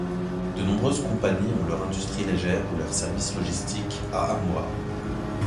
De nombreuses compagnies ont leur industrie légère ou leur service logistique à Hamura.